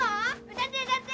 歌って歌って！